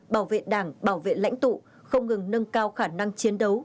bảo vệ đảng bảo vệ lãnh tụ không ngừng nâng cao khả năng chiến đấu